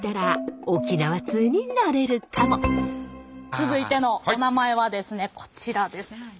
続いてのお名前はですねこちらです。